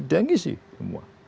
dan isi semua